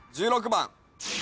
１６番。